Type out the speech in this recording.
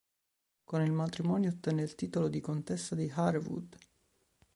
Con il matrimonio ottenne il titolo di "contessa di Harewood".